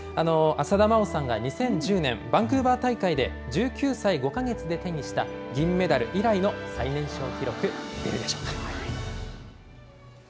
浅田真央さんが２０１０年、バンクーバー大会で１９歳５か月で手にした銀メダル以来の最年少記録、出るでしょうか。